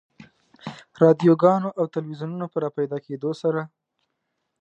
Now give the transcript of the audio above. رادیوګانو او تلویزیونونو په راپیدا کېدو سره.